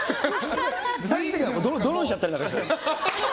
最終的にドロンしちゃったりして。